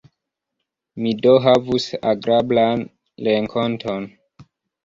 Mi do havus agrablan renkonton!